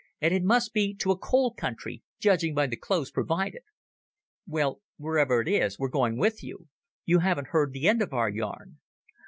And it must be to a cold country, judging by the clothes provided." "Well, wherever it is, we're going with you. You haven't heard the end of our yarn.